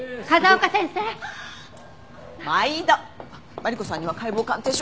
マリコさんには解剖鑑定書。